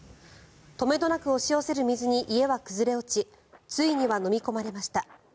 止めどなく押し寄せる水に家は崩れ落ちついにはのみ込まれました。